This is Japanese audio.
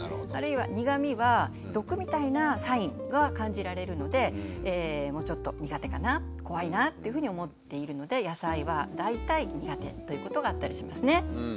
あるいは苦みは毒みたいなサインが感じられるのでちょっと苦手かな怖いなっていうふうに思っているので野菜は大体苦手ということがあったりしますね。